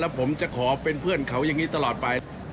ผมจะขอเป็นเพื่อนเขาอย่างนี้ตลอดไป